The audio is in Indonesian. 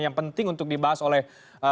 yang penting untuk dibahas oleh